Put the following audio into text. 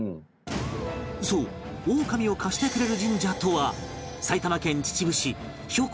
そうオオカミを貸してくれる神社とは埼玉県秩父市標高